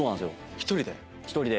１人で？